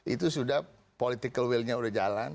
itu sudah political willnya udah jalan